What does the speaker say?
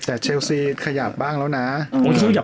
แต่เชลซีขยับบ้างแล้วนะ